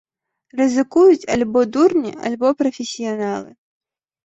Рызыкуюць альбо дурні, альбо прафесіяналы.